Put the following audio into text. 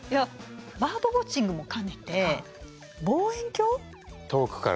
バードウォッチングも兼ねて遠くから。